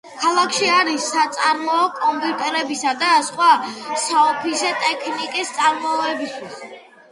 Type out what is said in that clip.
ქალაქში არის საწარმო კომპიუტერებისა და სხვა საოფისე ტექნიკის წარმოებისთვის.